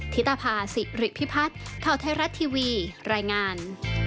ธิตภาษิริพิพัฒน์ข่าวไทยรัฐทีวีรายงาน